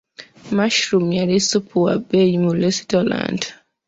Mushroom yali ssupu wa bbeyi mu lesitulanta.